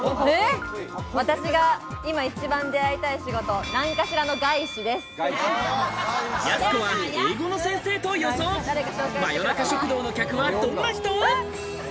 私が今一番出会いたい仕事、やす子は英語の先生と予想、真夜中食堂の客はどんな人。